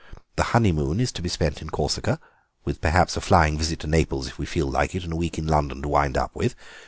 The honeymoon is to be spent in Corsica, with perhaps a flying visit to Naples if we feel like it, and a week in London to wind up with.